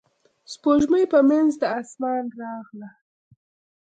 سپوږمۍ په منځ د اسمان راغله.